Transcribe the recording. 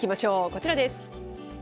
こちらです。